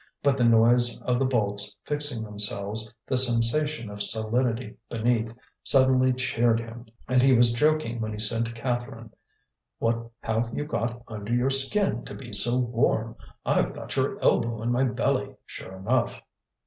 But the noise of the bolts fixing themselves, the sensation of solidity beneath, suddenly cheered him; and he was joking when he said to Catherine: "What have you got under your skin to be so warm? I've got your elbow in my belly, sure enough."